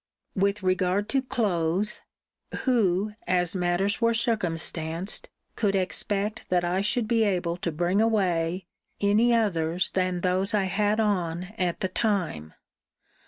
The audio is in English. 'With regard to clothes; who, as matters were circumstanced, could expect that I should be able to bring away any others than those I had on at the time?